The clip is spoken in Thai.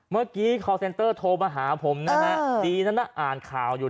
เมื่อกี้คอลเซนเตอร์โทรมาหาผมนะฮะจีนั้นน่ะอ่านข่าวอยู่